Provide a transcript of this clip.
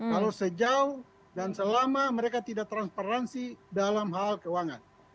kalau sejauh dan selama mereka tidak transparansi dalam hal keuangan